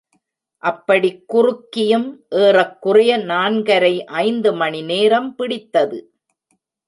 அப்படிக் குறுக்கியும், ஏறக்குறைய நான்கரை, ஐந்து மணி நேரம் பிடித்தது!